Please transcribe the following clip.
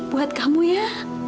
buat kamu ya